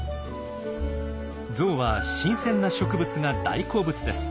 ゾウは新鮮な植物が大好物です。